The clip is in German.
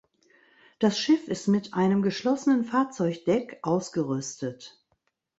Das Schiff ist mit einem geschlossenen Fahrzeugdeck ausgerüstet.